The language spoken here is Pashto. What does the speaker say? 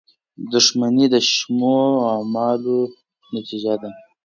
• دښمني د شومو اعمالو نتیجه ده.